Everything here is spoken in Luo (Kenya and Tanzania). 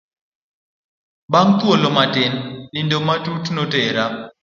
Bang' thuolo matin nindo matut notera.